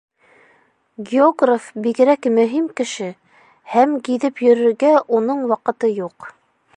Географ бигерәк мөһим кеше, һәм гиҙеп йөрөргә уның ваҡыты юҡ.